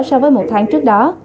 so với một tháng trước đó